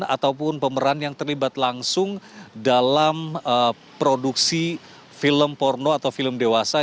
polda metro jaya akan mencari pemeran yang terlibat langsung dalam produksi film porno atau film dewasa